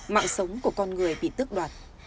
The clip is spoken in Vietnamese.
mạng sống của con người bị tước đoạt